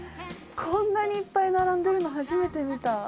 こんなにいっぱい並んでるの初めて見た。